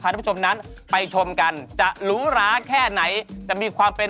ตามแอฟผู้ชมห้องน้ำด้านนอกกันเลยดีกว่าครับ